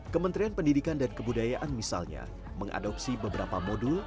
kementerian pendidikan dan kebudayaan misalnya mengadopsi beberapa modul